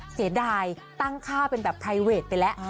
เสียดายตั้งค่าเป็นแบบไทเวทไปแล้ว